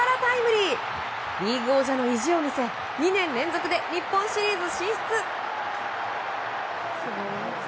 リーグ王者の意地を見せ２年連続で日本シリーズ進出。